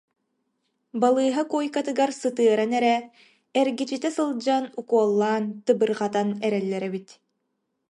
балыыһа куойкатыгар сытыа- ран эрэ эргичитэ сылдьан укуоллаан тыбырҕатан эрэллэр эбит